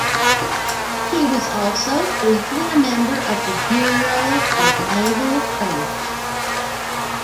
He was also briefly a member of the Bureau of Naval Affairs.